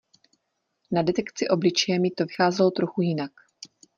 Na detekci obličeje mi to vycházelo trochu jinak.